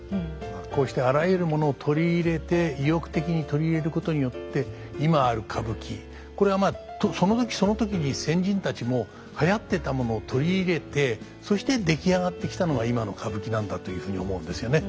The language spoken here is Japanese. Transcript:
こうしてあらゆるものを取り入れて意欲的に取り入れることによって今ある歌舞伎これはその時その時に先人たちも流行ってたものを取り入れてそして出来上がってきたのが今の歌舞伎なんだというふうに思うんですよね。